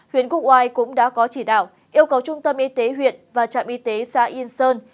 huyện quốc oai cũng đã có chỉ đạo yêu cầu trung tâm y tế huyện và trạm y tế xã yên sơn